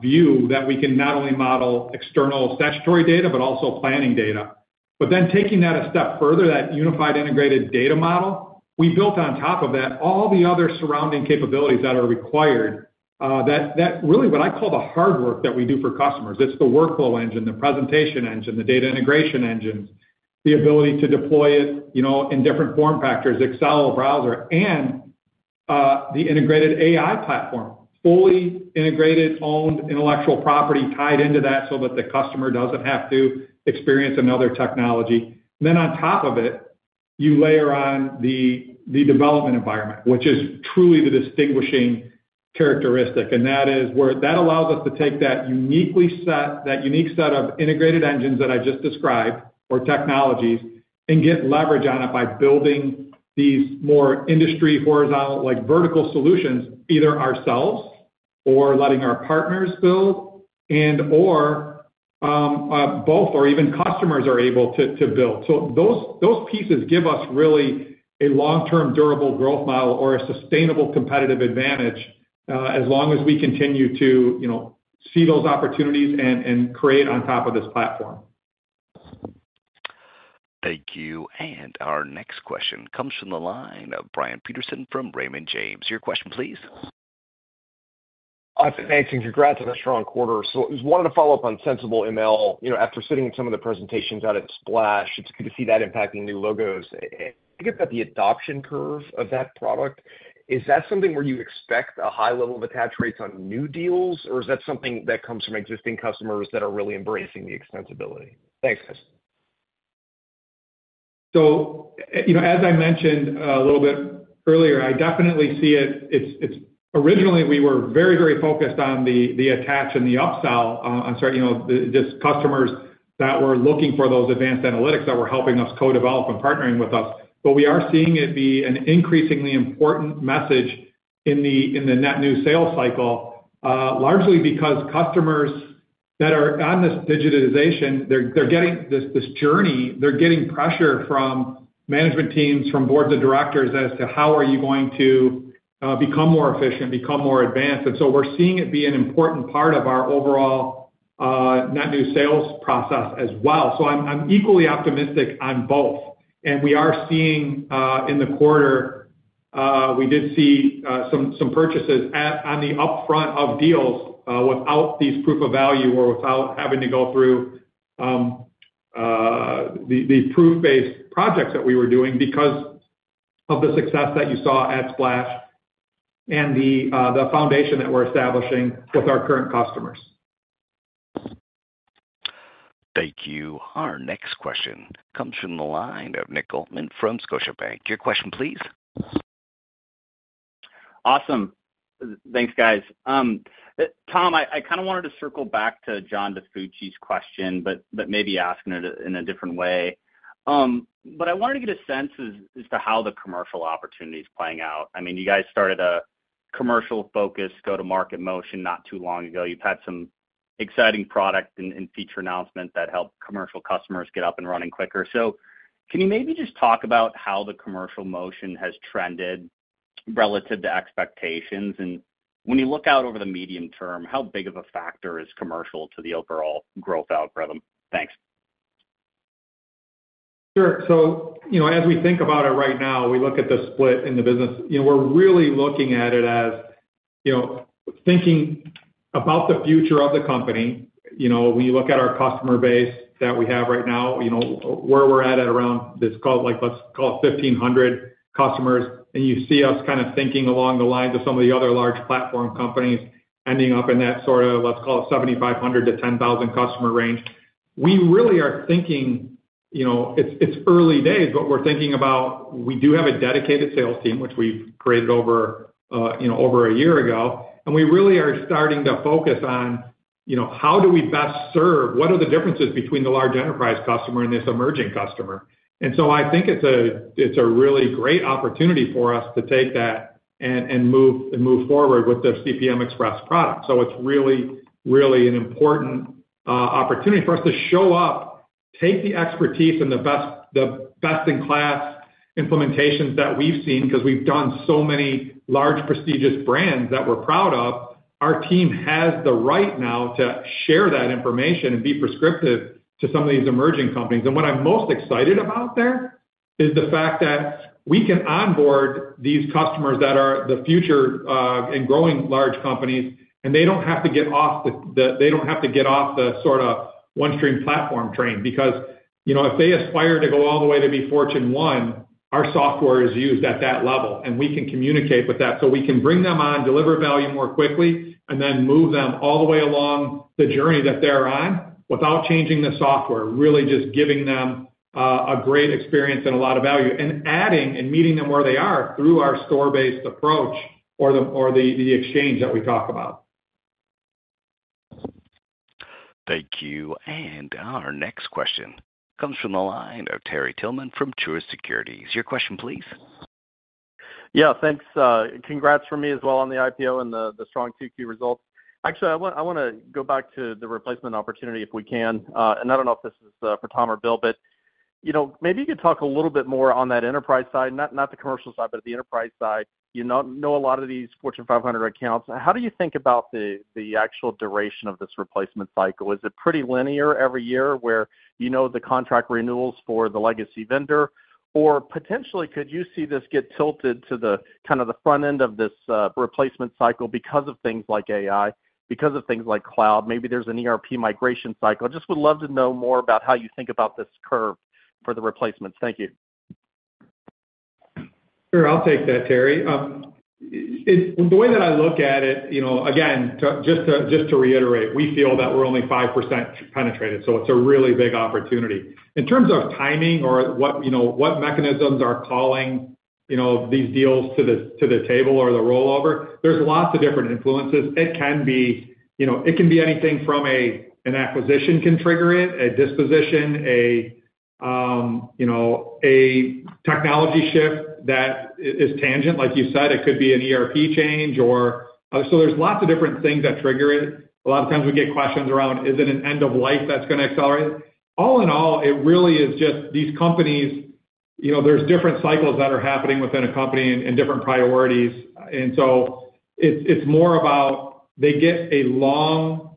view, that we can not only model external statutory data, but also planning data. But then taking that a step further, that unified integrated data model, we built on top of that, all the other surrounding capabilities that are required, that really what I call the hard work that we do for customers. It's the workflow engine, the presentation engine, the data integration engine, the ability to deploy it, you know, in different form factors, Excel or browser, and the integrated AI platform. Fully integrated, owned intellectual property tied into that, so that the customer doesn't have to experience another technology. Then on top of it, you layer on the development environment, which is truly the distinguishing characteristic, and that is where that allows us to take that unique set of integrated engines that I just described, or technologies, and get leverage on it by building these more industry horizontal, like, vertical solutions, either ourselves or letting our partners build, and/or both or even customers are able to build. So those pieces give us really a long-term durable growth model or a sustainable competitive advantage, as long as we continue to, you know, see those opportunities and create on top of this platform. Thank you. And our next question comes from the line of Brian Peterson from Raymond James. Your question, please. Thanks, and congrats on a strong quarter. So I just wanted to follow up on Sensible ML. You know, after sitting in some of the presentations out at Splash, it's good to see that impacting new logos. Think about the adoption curve of that product, is that something where you expect a high level of attach rates on new deals? Or is that something that comes from existing customers that are really embracing the extensibility? Thanks, guys. So, you know, as I mentioned a little bit earlier, I definitely see it. Originally, we were very, very focused on the attach and the upsell on certain, you know, just customers that were looking for those advanced analytics that were helping us co-develop and partner with us. But we are seeing it be an increasingly important message in the net new sales cycle, largely because customers that are on this digitization, they're getting this journey, they're getting pressure from management teams, from boards of directors as to how are you going to become more efficient, become more advanced? And so we're seeing it be an important part of our overall net new sales process as well. So I'm equally optimistic on both. We are seeing, in the quarter, we did see some purchases on the upfront of deals without these proof of value or without having to go through the proof-based projects that we were doing because of the success that you saw at Splash and the foundation that we're establishing with our current customers. Thank you. Our next question comes from the line of Nick Altmann from Scotiabank. Your question, please. Awesome. Thanks, guys. Tom, I kind of wanted to circle back to John DiFucci's question, but maybe asking it in a different way, but I wanted to get a sense as to how the commercial opportunity is playing out. I mean, you guys started a commercial focus, go-to-market motion not too long ago. You've had some exciting product and feature announcements that helped commercial customers get up and running quicker, so can you maybe just talk about how the commercial motion has trended relative to expectations? And when you look out over the medium term, how big of a factor is commercial to the overall growth algorithm? Thanks. Sure, so, you know, as we think about it right now, we look at the split in the business. You know, we're really looking at it as, you know, thinking about the future of the company. You know, we look at our customer base that we have right now, you know, where we're at, at around this, called like, let's call it 1,500 customers, and you see us kind of thinking along the lines of some of the other large platform companies ending up in that sort of, let's call it 7,500 to 10,000 customer range. We really are thinking, you know. It's early days, but we're thinking about, we do have a dedicated sales team, which we've created over, you know, over a year ago, and we really are starting to focus on, you know, how do we best serve? What are the differences between the large enterprise customer and this emerging customer? And so I think it's a really great opportunity for us to take that and move forward with the CPM Express product. So it's really, really an important opportunity for us to show up, take the expertise and the best-in-class implementations that we've seen, because we've done so many large, prestigious brands that we're proud of. Our team has it right now to share that information and be prescriptive to some of these emerging companies. And what I'm most excited about there is the fact that we can onboard these customers that are the future and growing large companies, and they don't have to get off the sorta OneStream platform train. Because, you know, if they aspire to go all the way to be Fortune One, our software is used at that level, and we can communicate with that. So we can bring them on, deliver value more quickly, and then move them all the way along the journey that they're on without changing the software. Really just giving them a great experience and a lot of value, and adding and meeting them where they are through our store-based approach or the exchange that we talk about. Thank you. And our next question comes from the line of Terry Tillman from Truist Securities. Your question, please? Yeah, thanks. Congrats from me as well on the IPO and the strong 2Q results. Actually, I want, I wanna go back to the replacement opportunity, if we can. And I don't know if this is for Tom or Bill, but you know, maybe you could talk a little bit more on that enterprise side, not the commercial side, but the enterprise side. You know a lot of these Fortune 500 accounts. How do you think about the actual duration of this replacement cycle? Is it pretty linear every year, where you know the contract renewals for the legacy vendor? Or potentially, could you see this get tilted to the kind of front end of this replacement cycle because of things like AI, because of things like cloud, maybe there's an ERP migration cycle? I just would love to know more about how you think about this curve for the replacements? Thank you. Sure, I'll take that, Terry. The way that I look at it, you know, again, just to, just to reiterate, we feel that we're only 5% penetrated, so it's a really big opportunity. In terms of timing or what, you know, what mechanisms are calling, you know, these deals to the, to the table or the rollover, there's lots of different influences. It can be, you know, it can be anything from a, an acquisition can trigger it, a disposition, a, you know, a technology shift that is tangent. Like you said, it could be an ERP change or. So there's lots of different things that trigger it. A lot of times we get questions around, is it an end of life that's gonna accelerate? All in all, it really is just these companies, you know. There's different cycles that are happening within a company and different priorities, so it's more about they get a long,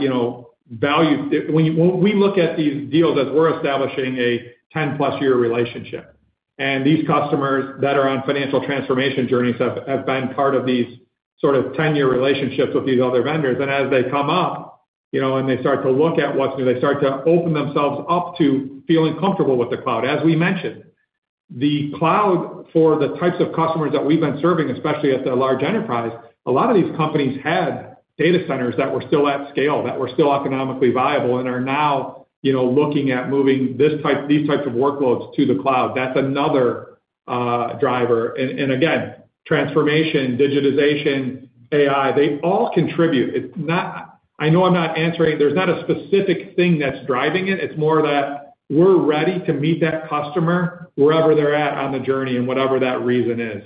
you know, value. When we look at these deals, as we're establishing a ten-plus year relationship, and these customers that are on financial transformation journeys have been part of these sort of 10-year relationships with these other vendors. As they come up, you know, and they start to look at what's new, they start to open themselves up to feeling comfortable with the cloud. As we mentioned, the cloud for the types of customers that we've been serving, especially at the large enterprise, a lot of these companies had data centers that were still at scale, that were still economically viable and are now, you know, looking at moving this type, these types of workloads to the cloud. That's another driver. And again, transformation, digitization, AI, they all contribute. It's not... I know I'm not answering, there's not a specific thing that's driving it. It's more that we're ready to meet that customer wherever they're at on the journey and whatever that reason is.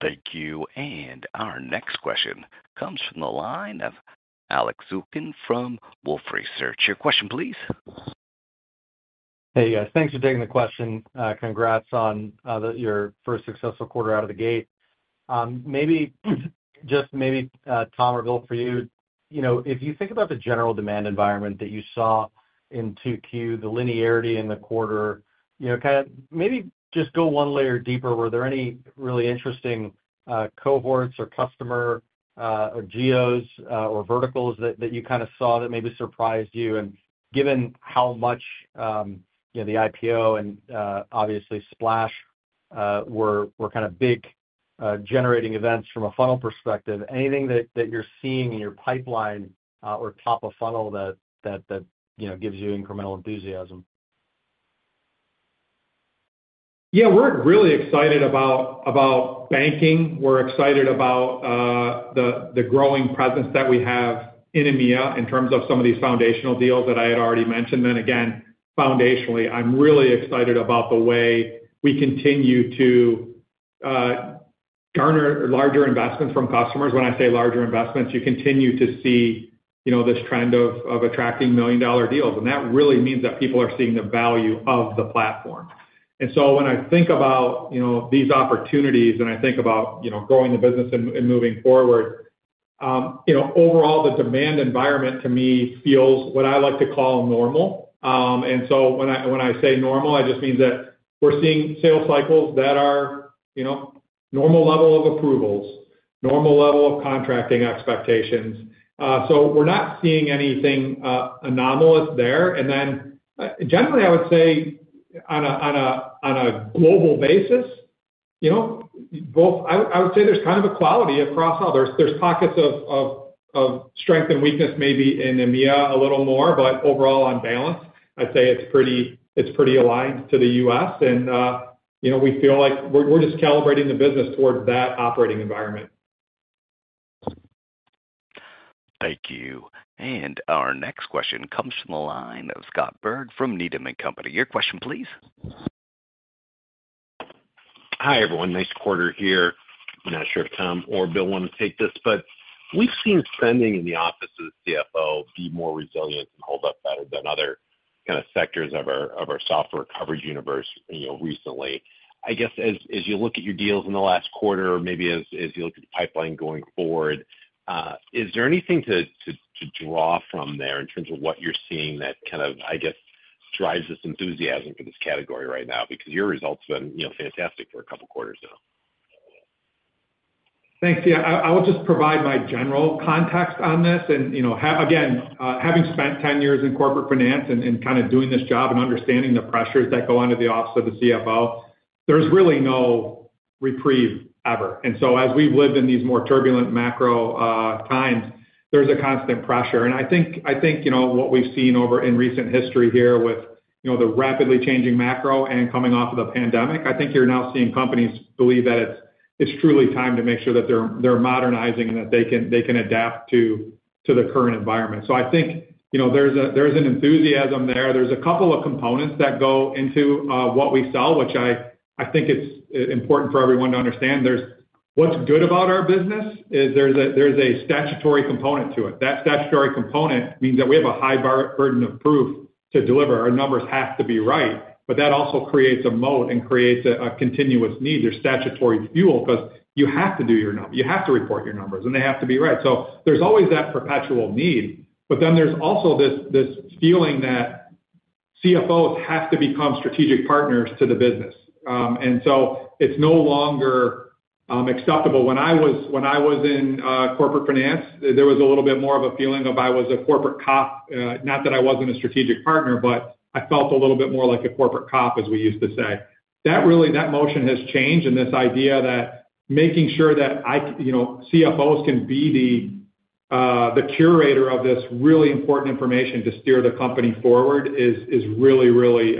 Thank you. And our next question comes from the line of Alex Zukin from Wolfe Research. Your question, please. Hey, guys. Thanks for taking the question. Congrats on your first successful quarter out of the gate. Maybe, just maybe, Tom or Bill, for you, you know, if you think about the general demand environment that you saw in 2Q, the linearity in the quarter, you know, kind of maybe just go one layer deeper. Were there any really interesting cohorts or customer or geos or verticals that you kind of saw that maybe surprised you? And given how much, you know, the IPO and obviously Splash were kind of big generating events from a funnel perspective, anything that you're seeing in your pipeline or top of funnel that you know gives you incremental enthusiasm? Yeah, we're really excited about banking. We're excited about the growing presence that we have in EMEA, in terms of some of these foundational deals that I had already mentioned. Then again, foundationally, I'm really excited about the way we continue to garner larger investments from customers. When I say larger investments, you continue to see, you know, this trend of attracting million-dollar deals, and that really means that people are seeing the value of the platform. And so when I think about, you know, these opportunities and I think about, you know, growing the business and moving forward, you know, overall, the demand environment to me feels what I like to call normal. And so when I say normal, I just mean that we're seeing sales cycles that are, you know, normal level of approvals, normal level of contracting expectations. So we're not seeing anything anomalous there. And then, generally, I would say on a global basis, you know, I would say there's kind of a quality across all. There's pockets of strength and weakness, maybe in EMEA a little more, but overall, on balance, I'd say it's pretty aligned to the U.S., and you know, we feel like we're just calibrating the business towards that operating environment. Thank you. And our next question comes from the line of Scott Berg from Needham & Company. Your question, please. Hi, everyone. Nice quarter here. I'm not sure if Tom or Bill want to take this, but we've seen spending in the office of the CFO be more resilient and hold up better than other kinda sectors of our software coverage universe, you know, recently. I guess, as you look at your deals in the last quarter, maybe as you look at the pipeline going forward, is there anything to draw from there in terms of what you're seeing that kind of, I guess, drives this enthusiasm for this category right now? Because your results have been, you know, fantastic for a couple quarters now. Thanks. Yeah, I will just provide my general context on this. You know, having spent ten years in corporate finance and kind of doing this job and understanding the pressures that go into the office of the CFO, there's really no reprieve ever. We've lived in these more turbulent macro times, so there's a constant pressure. I think you know, what we've seen in recent history here with you know, the rapidly changing macro and coming off of the pandemic. I think you're now seeing companies believe that it's truly time to make sure that they're modernizing and that they can adapt to the current environment. I think you know, there's an enthusiasm there. There's a couple of components that go into what we sell, which I think it's important for everyone to understand. What's good about our business is there's a statutory component to it. That statutory component means that we have a high burden of proof to deliver. Our numbers have to be right, but that also creates a moat and creates a continuous need. There's statutory fuel, 'cause you have to report your numbers, and they have to be right. So there's always that perpetual need. But then there's also this feeling that CFOs have to become strategic partners to the business. And so it's no longer acceptable. When I was in corporate finance, there was a little bit more of a feeling of I was a corporate cop. Not that I wasn't a strategic partner, but I felt a little bit more like a corporate cop, as we used to say. That really, that motion has changed, and this idea that making sure that I, you know, CFOs can be the, the curator of this really important information to steer the company forward is, is really, really,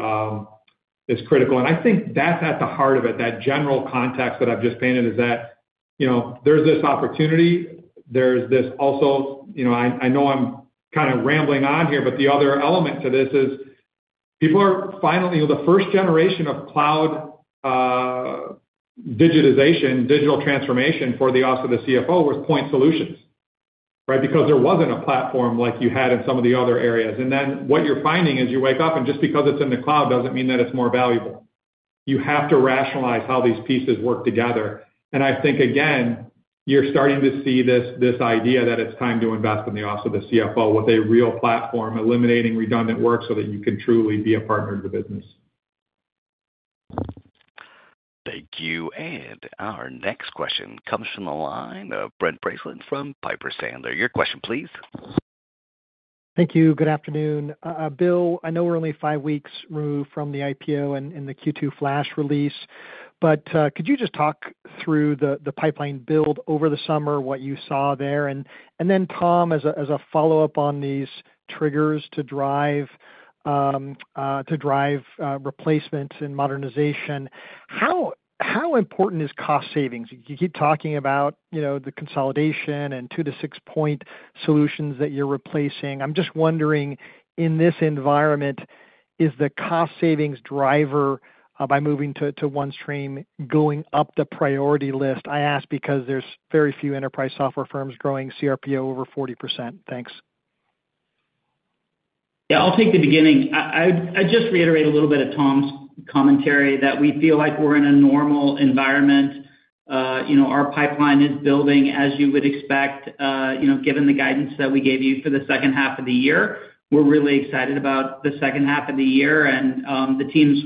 is critical. And I think that's at the heart of it, that general context that I've just painted is that, you know, there's this opportunity, there's this also. You know, I, I know I'm kind of rambling on here, but the other element to this is people are finally, the first generation of cloud digitization, digital transformation for the office of the CFO was point solutions, right? Because there wasn't a platform like you had in some of the other areas. What you're finding is you wake up, and just because it's in the cloud, doesn't mean that it's more valuable. You have to rationalize how these pieces work together. I think, again, you're starting to see this, this idea that it's time to invest in the office of the CFO with a real platform, eliminating redundant work so that you can truly be a partner in the business. Thank you. And our next question comes from the line of Brent Bracelin from Piper Sandler. Your question, please. Thank you. Good afternoon. Bill, I know we're only five weeks removed from the IPO and the Q2 flash release, but could you just talk through the pipeline build over the summer, what you saw there? And then, Tom, as a follow-up on these triggers to drive replacement and modernization, how important is cost savings? You keep talking about, you know, the consolidation and two to six point solutions that you're replacing. I'm just wondering, in this environment, is the cost savings driver by moving to OneStream going up the priority list? I ask because there's very few enterprise software firms growing CRPO over 40%. Thanks. Yeah, I'll take the beginning. I'd just reiterate a little bit of Tom's commentary that we feel like we're in a normal environment. You know, our pipeline is building as you would expect, you know, given the guidance that we gave you for the second half of the year. We're really excited about the second half of the year and, the teams,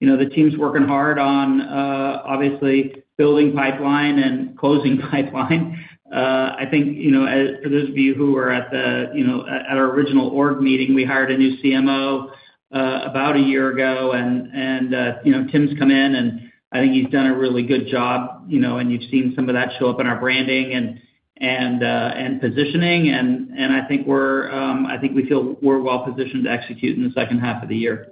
you know, the team's working hard on, obviously, building pipeline and closing pipeline. I think, you know, as for those of you who were at the, you know, at our original org meeting, we hired a new CMO, about a year ago, and, and, you know, Tom's come in, and I think he's done a really good job, you know, and you've seen some of that show up in our branding and, and, and positioning. I think we feel we're well-positioned to execute in the second half of the year.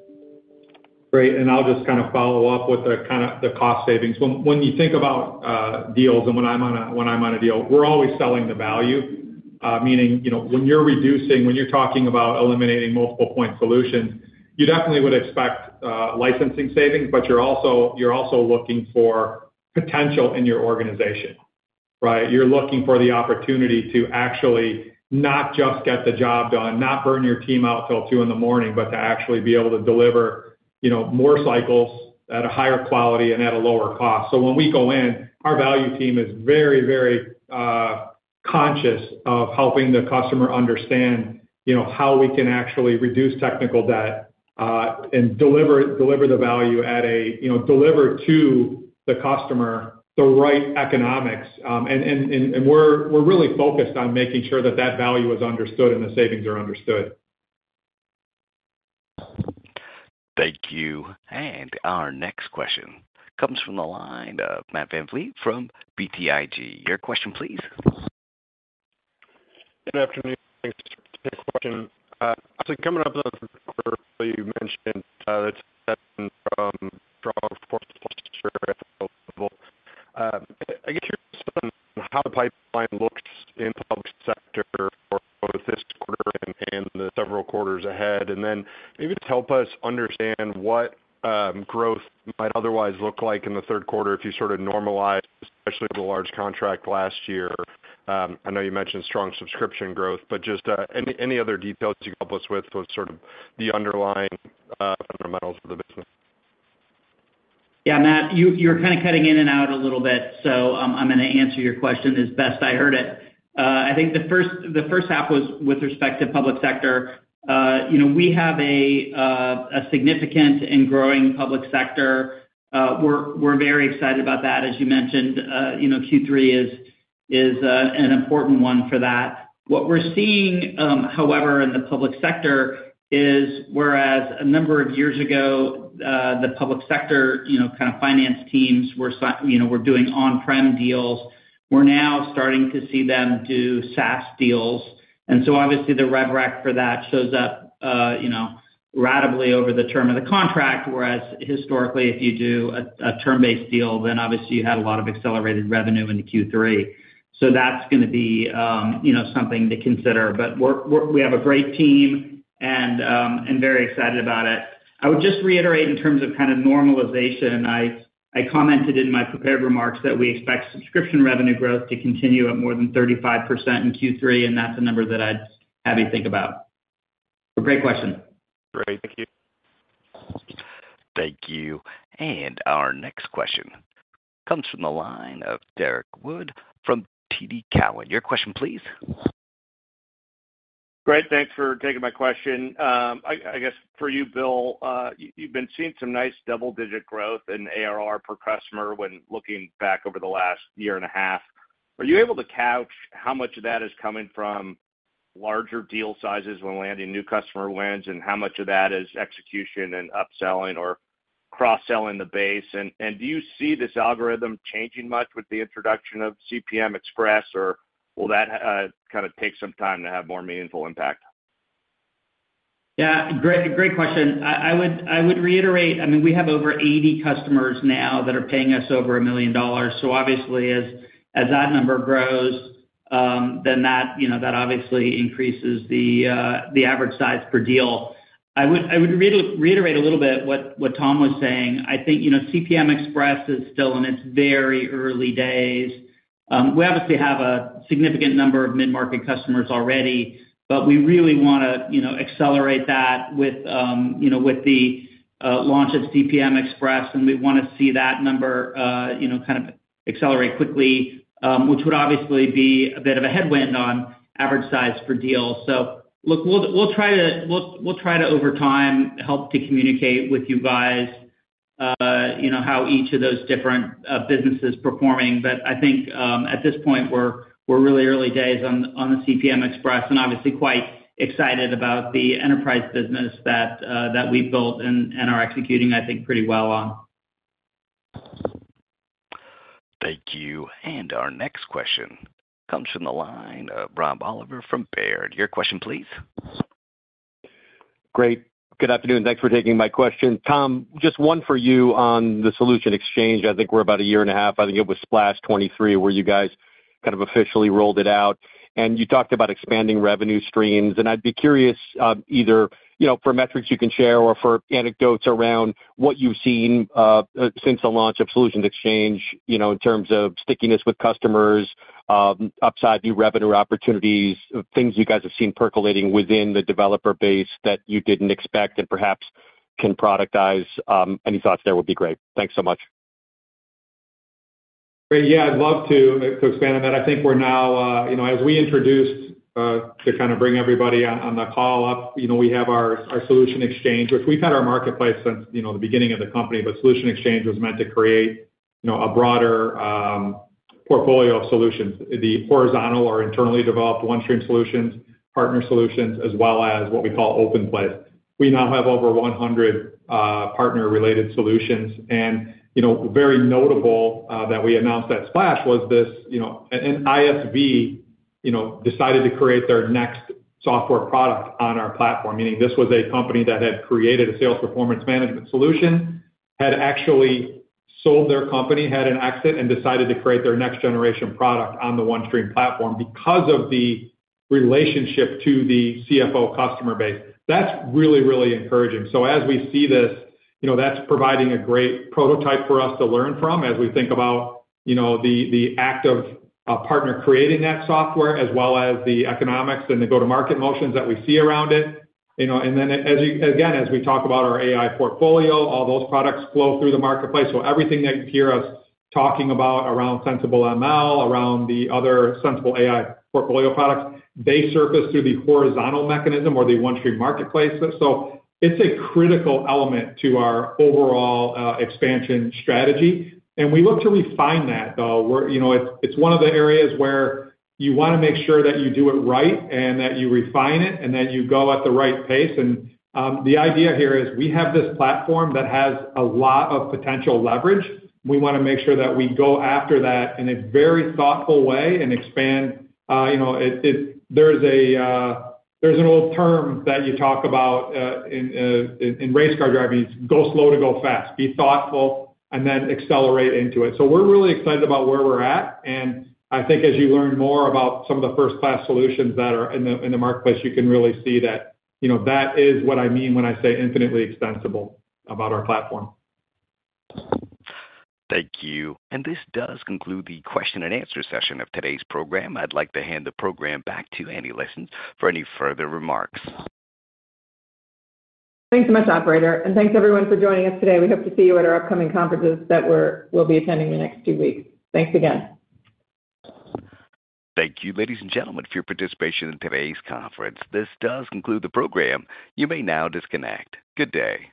Great. And I'll just kind of follow up with the kinda, the cost savings. When you think about deals and when I'm on a deal, we're always selling the value. Meaning, you know, when you're reducing, when you're talking about eliminating multiple point solutions, you definitely would expect licensing savings, but you're also looking for potential in your organization, right? You're looking for the opportunity to actually not just get the job done, not burn your team out till two in the morning, but to actually be able to deliver, you know, more cycles at a higher quality and at a lower cost. So when we go in, our value team is very, very conscious of helping the customer understand, you know, how we can actually reduce technical debt and deliver the value at a, you know, deliver to the customer the right economics. And we're really focused on making sure that that value is understood and the savings are understood. Thank you. And our next question comes from the line of Matt VanVliet from BTIG. Your question, please. Good afternoon. Thanks for taking the question. So coming up on you mentioned from strong fourth quarter available. I guess you're how the pipeline looks in public sector for both this quarter and the several quarters ahead. And then maybe just help us understand what growth might otherwise look like in the third quarter if you sort of normalize, especially the large contract last year. I know you mentioned strong subscription growth, but just any other details you can help us with with sort of the underlying fundamentals of the business? Yeah, Matt, you, you're kind of cutting in and out a little bit, so, I'm gonna answer your question as best I heard it. I think the first, the first half was with respect to public sector. You know, we have a significant and growing public sector. We're very excited about that. As you mentioned, you know, Q3 is an important one for that. What we're seeing, however, in the public sector is, whereas a number of years ago, the public sector, you know, kind of finance teams were you know, were doing on-prem deals. We're now starting to see them do SaaS deals, and so obviously the rev rec for that shows up, you know, ratably over the term of the contract, whereas historically, if you do a term-based deal, then obviously you had a lot of accelerated revenue into Q3. So that's gonna be, you know, something to consider. But we have a great team and and very excited about it. I would just reiterate in terms of kind of normalization, I commented in my prepared remarks that we expect subscription revenue growth to continue at more than 35% in Q3, and that's a number that I'd have you think about. A great question. Great. Thank you. Thank you. And our next question comes from the line of Derrick Wood from TD Cowen. Your question, please. Great, thanks for taking my question. I guess for you, Bill, you've been seeing some nice double-digit growth in ARR per customer when looking back over the last year and a half. Are you able to couch how much of that is coming from larger deal sizes when landing new customer wins, and how much of that is execution and upselling or cross-selling the base? And do you see this algorithm changing much with the introduction of CPM Express, or will that kinda take some time to have more meaningful impact? Yeah, great, great question. I would reiterate, I mean, we have over 80 customers now that are paying us over $1 million. So obviously, as that number grows, then that, you know, that obviously increases the average size per deal. I would reiterate a little bit what Tom was saying. I think, you know, CPM Express is still in its very early days. We obviously have a significant number of mid-market customers already, but we really wanna accelerate that with the launch of CPM Express, and we wanna see that number, you know, kind of accelerate quickly, which would obviously be a bit of a headwind on average size per deal. So look, we'll try to over time help to communicate with you guys, you know, how each of those different businesses performing. But I think at this point, we're really early days on the CPM Express, and obviously quite excited about the enterprise business that we've built and are executing, I think, pretty well on. Thank you. And our next question comes from the line of Rob Oliver from Baird. Your question, please. Great. Good afternoon, and thanks for taking my question. Tom, just one for you on the Solution Exchange. I think we're about a year and a half. I think it was Splash 2023, where you guys kind of officially rolled it out, and you talked about expanding revenue streams. And I'd be curious, either, you know, for metrics you can share or for anecdotes around what you've seen, since the launch of Solution Exchange, you know, in terms of stickiness with customers, upside new revenue opportunities, things you guys have seen percolating within the developer base that you didn't expect and perhaps can productize. Any thoughts there would be great. Thanks so much. Great. Yeah, I'd love to expand on that. I think we're now, you know, as we introduced, to kind of bring everybody on the call up, you know, we have our Solution Exchange, which we've had our marketplace since, you know, the beginning of the company, but Solution Exchange was meant to create, you know, a broader portfolio of solutions, the horizontal or internally developed OneStream solutions, partner solutions, as well as what we call PartnerPlace. We now have over 100 partner-related solutions, and, you know, very notable that we announced at Splash was this, you know, an ISV, you know, decided to create their next software product on our platform, meaning this was a company that had created a sales performance management solution, had actually sold their company, had an exit, and decided to create their next generation product on the OneStream platform because of the relationship to the CFO customer base. That's really, really encouraging. So as we see this, you know, that's providing a great prototype for us to learn from as we think about, you know, the act of a partner creating that software as well as the economics and the go-to-market motions that we see around it. You know, and then as you... Again, as we talk about our AI portfolio, all those products flow through the marketplace. So everything that you hear us talking about around Sensible ML, around the other Sensible AI portfolio products, they surface through the horizontal mechanism or the OneStream marketplace. So it's a critical element to our overall expansion strategy, and we look to refine that, though. You know, it's one of the areas where you wanna make sure that you do it right and that you refine it, and then you go at the right pace. And the idea here is, we have this platform that has a lot of potential leverage. We wanna make sure that we go after that in a very thoughtful way and expand, you know, there's an old term that you talk about in race car driving, go slow to go fast, be thoughtful and then accelerate into it. So we're really excited about where we're at, and I think as you learn more about some of the first-class solutions that are in the marketplace, you can really see that, you know, that is what I mean when I say infinitely extensible about our platform. Thank you. And this does conclude the question-and-answer session of today's program. I'd like to hand the program back to Anne Leschin for any further remarks. Thanks so much, operator, and thanks, everyone, for joining us today. We hope to see you at our upcoming conferences that we'll be attending the next two weeks. Thanks again. Thank you, ladies and gentlemen, for your participation in today's conference. This does conclude the program. You may now disconnect. Good day!